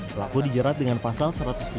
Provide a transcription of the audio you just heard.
pelaku dijerat dengan pasal satu ratus tujuh puluh